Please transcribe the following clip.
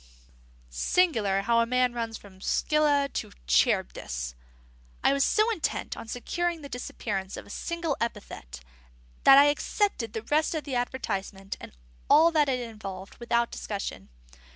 Singular how a man runs from Scylla to Charybdis! I was so intent on securing the disappearance of a single epithet that I accepted the rest of the advertisement and all that it involved without discussion.